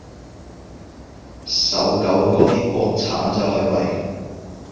搜狗嗰啲國產就係為